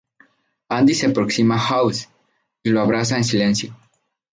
Andie se aproxima a House y lo abraza en silencio.